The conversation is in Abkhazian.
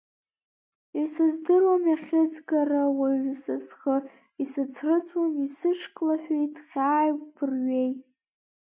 Исыздыруам, иахьызгара уажә са схы, исыцрыҵуам, исышьклаҳәит хьааи-гәрҩеи.